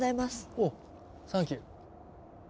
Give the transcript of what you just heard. おっサンキュー。